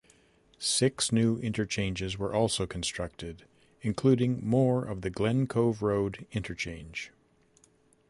Six new interchanges were also constructed, including more of the Glen Cove Road interchange.